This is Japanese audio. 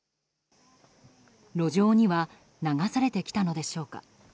路上には流されてきたのでしょうか